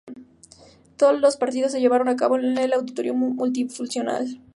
Todos los partidos se llevaron a cabo en el Auditorio Multifuncional.